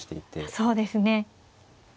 そうですね。